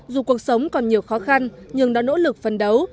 dù cuộc sống còn nhiều khó khăn nhưng đã nỗ lực phân đấu